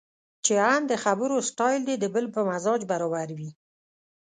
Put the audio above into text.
چې ان د خبرو سټایل دې د بل په مزاج برابر وي.